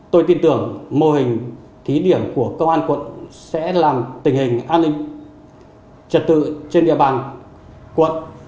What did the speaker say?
tôi tin tưởng mô hình thí điểm của công an quận sẽ làm tình hình an ninh trật tự trên địa bàn quận